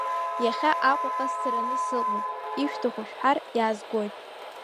Иахьа Аҟәаҟа сцараны сыҟоуп, ишәҭаху шәҳәар иаазгоит.